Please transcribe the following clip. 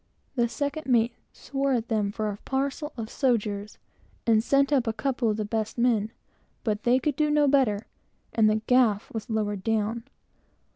The second mate swore at them for a parcel of "sogers," and sent up a couple of the best men; but they could do no better, and the gaff was lowered down.